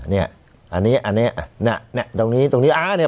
เนี้ยอันนี้อันนี้อ่ะเนี้ยเนี้ยตรงนี้ตรงนี้อ่าเนี้ย